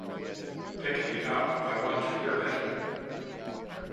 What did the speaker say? Pick me up; I want to hear better.